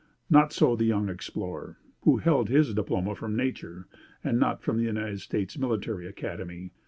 Not so the young explorer, who held his diploma from nature, and not from the United States Military Academy.